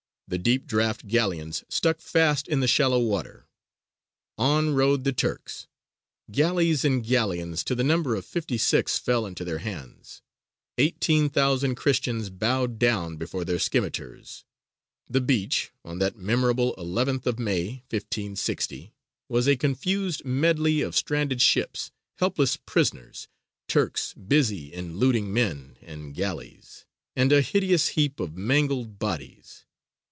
The deep draught galleons stuck fast in the shallow water. On rowed the Turks; galleys and galleons to the number of fifty six fell into their hands; eighteen thousand Christians bowed down before their scimitars; the beach, on that memorable 11th of May, 1560, was a confused medley of stranded ships, helpless prisoners, Turks busy in looting men and galleys and a hideous heap of mangled bodies.